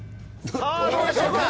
さあ、どうでしょうか。